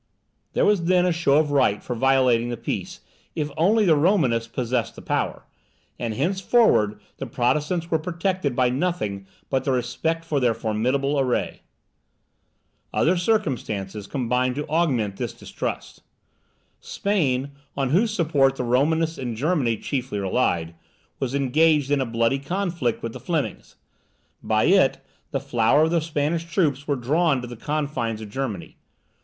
There was then a show of right for violating the peace, if only the Romanists possessed the power; and henceforward the Protestants were protected by nothing but the respect for their formidable array. Other circumstances combined to augment this distrust. Spain, on whose support the Romanists in Germany chiefly relied, was engaged in a bloody conflict with the Flemings. By it, the flower of the Spanish troops were drawn to the confines of Germany.